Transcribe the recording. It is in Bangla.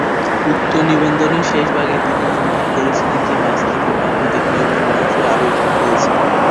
উক্ত নিবন্ধের শেষভাগে তিনি ইঙ্গিত করেছিলেন যে মাছ থেকে প্রাকৃতিক নিয়মে মানুষের আবির্ভাব হয়েছে।